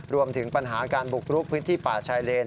รวมถึงปัญหาการบุกรุกพื้นที่ป่าชายเลน